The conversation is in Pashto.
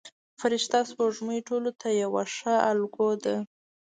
فرشته سپوږمۍ ټولو ته یوه ښه الګو ده.